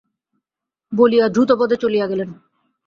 বলিয়া দ্রুতপদে চলিয়া গেলেন।